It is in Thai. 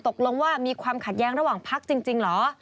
ตกลงว่ามีความขัดแย้งระหว่างพักจริงเหรอ